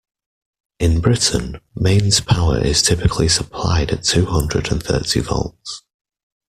In Britain, mains power is typically supplied at two hundred and thirty volts